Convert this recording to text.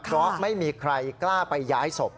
เพราะไม่มีใครกล้าไปย้ายศพ